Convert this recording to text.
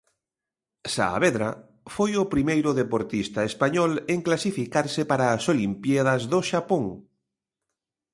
Saavedra foi o primeiro deportista español en clasificarse para as olimpíadas do Xapón.